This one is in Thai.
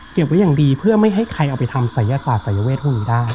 ไว้อย่างดีเพื่อไม่ให้ใครเอาไปทำศัยศาสตร์สายเวทพวกนี้ได้